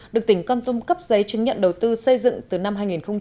được tỉnh con tum cấp giấy chứng nhận đầu tư xây dựng từ năm hai nghìn chín